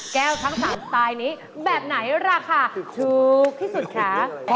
ทั้ง๓สไตล์นี้แบบไหนราคาถูกที่สุดคะ